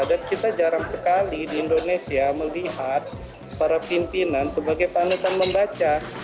dan kita jarang sekali di indonesia melihat para pimpinan sebagai panutan membaca